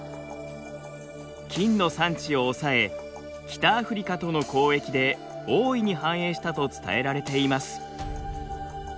金の産地を押さえ北アフリカとの交易で大いに繁栄したと伝えられています。